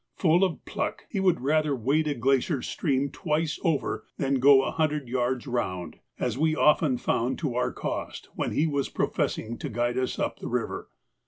Full of pluck, he would rather wade a glacier stream twice over than go a hundred yards round, as we often found to our cost when he was professing to guide us up the river.